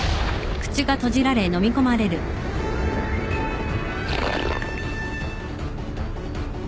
あっ！